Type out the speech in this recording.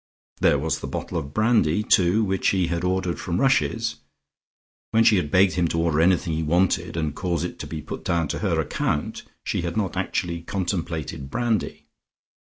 There was the bottle of brandy, too, which he had ordered from Rush's. When she had begged him to order anything he wanted and cause it to be put down to her account, she had not actually contemplated brandy.